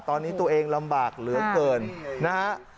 ตอนนี้ตัวเองลำบากเหลือเกินนะฮะ